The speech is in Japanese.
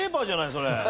それ。